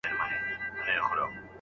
نو ټولو ته ګټه رسېږي.